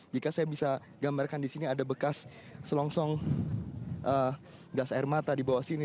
jika saya bisa gambarkan di sini ada bekas selongsong gas air mata di bawah sini